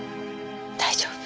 大丈夫？